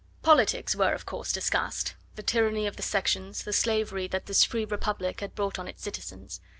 Politics were, of course, discussed; the tyranny of the sections, the slavery that this free Republic had brought on its citizens.